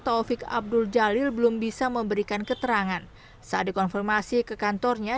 taufik abdul jalil belum bisa memberikan keterangan saat dikonfirmasi ke kantornya